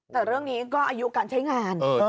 แต่เรื่องนี้ก็อายุการใช้งาน